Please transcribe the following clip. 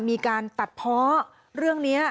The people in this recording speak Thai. มีการตัดเพาะเรื่องนี้